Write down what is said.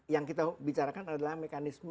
yang kita bicarakan adalah mekanisme